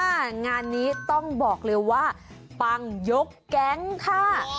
งานนี้ต้องบอกเลยว่าปังยกแก๊งค่ะ